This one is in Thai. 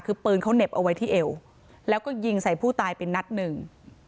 คือปืนเขาเหน็บเอาไว้ที่เอวแล้วก็ยิงใส่ผู้ตายไปนัดหนึ่ง